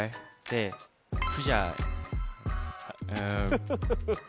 フフフフフ。